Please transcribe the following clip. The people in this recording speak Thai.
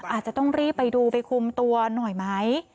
อาจจะต้องรีบไปดูไปคุมตัวหน่อยไหม